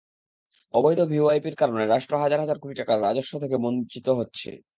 অবৈধ ভিওআইপির কারণে রাষ্ট্র হাজার হাজার কোটি টাকার রাজস্ব থেকে বঞ্চিত হচ্ছে।